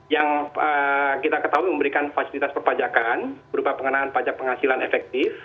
yang kita ketahui memberikan fasilitas perpajakan berupa pengenaan pajak penghasilan efektif